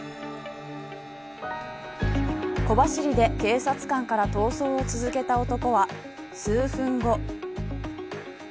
小走りで警察官から逃走を続けた男は数分後。